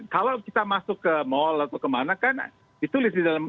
kalau kita masuk ke mall atau kemana kan ditulis di dalam